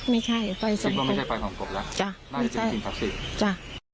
ไม่ใช่ไฟส่องกบจ้ะไม่ใช่จ้ะ